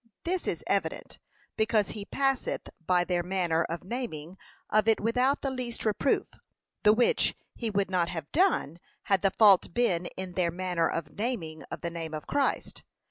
This is evident, because he passeth by their manner of naming of it without the least reproof, the which he would not have done had the fault been in their manner of naming of the name of Christ.